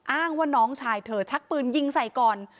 อ้างว่าน้องชายเธอชักปืนยิงใส่ก่อน